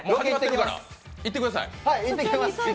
行ってください。